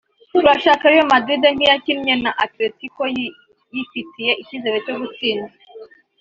turashaka Real Madrid nk’iyakinnye na Atletico yifitiye icyizere cyo gutsinda